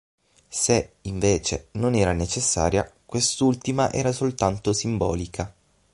Se, invece, non era necessaria, quest'ultima era soltanto simbolica.